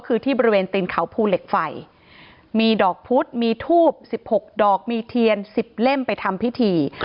คือที่บริเวณตินเขาภูเหล็กไฟมีดอกพุธมีทูบ๑๖ดอกมีเทียน๑๐เล่มไปทำพิธี